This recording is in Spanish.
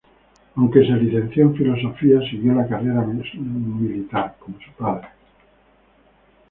Aunque se licenció en Filosofía, siguió la carrera militar, como su padre.